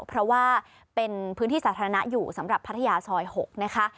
เพราะว่าเป็นพื้นที่สาธารณะอยู่สำหรับพัทยาซอย๖นะคะ